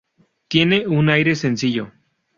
Tiene un aire sencillo.